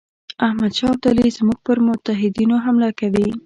احمدشاه ابدالي زموږ پر متحدینو حمله کوي.